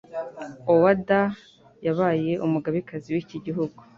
Owada yabaye umugabekazi w’iki gihugu